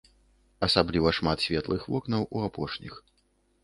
Асабліва шмат светлых вокнаў у апошніх.